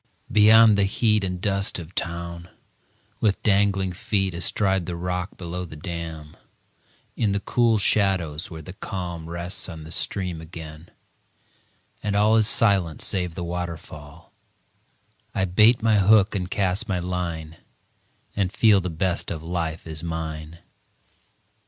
Beyond the heat And dust of town, with dangling feet Astride the rock below the dam, In the cool shadows where the calm Rests on the stream again, and all Is silent save the waterfall, I bait my hook and cast my line, And feel the best of life is mine.